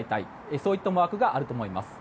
そういった思惑があると思います。